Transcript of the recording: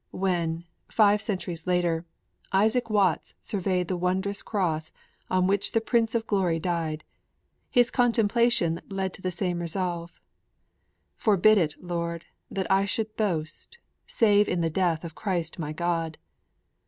_' When, five centuries later, Isaac Watts surveyed the wondrous Cross on which the Prince of Glory died, his contemplation led to the same resolve: Forbid it, Lord, that I should boast, Save in the death of Christ my God!